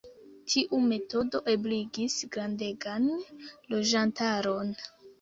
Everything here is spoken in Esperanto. Tiu metodo ebligis grandegan loĝantaron.